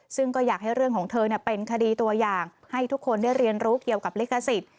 ซึ่งก็อยากให้เรื่องของเธอเป็นคดีตัวอย่างให้ทุกคนได้เรียนรู้เกี่ยวกับลิขสิทธิ์